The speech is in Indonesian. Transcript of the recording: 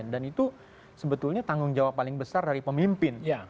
itu sebetulnya tanggung jawab paling besar dari pemimpin